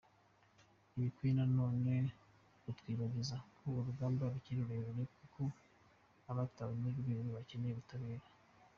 Ntibikwiye na none kutwibagiza ko urugamba rukiri rurerure kuko abatawe muri Rweru bakeneye ubutabera.